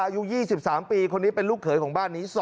อายุ๒๓ปีคนนี้เป็นลูกเขยของบ้านนี้